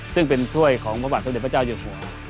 ซึ่งเป็นถ้วยของพระบาทสมเด็จพระเจ้าอยู่หัว